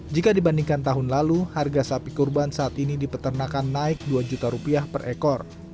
jika dibandingkan tahun lalu harga sapi kurban saat ini di peternakan naik dua juta rupiah per ekor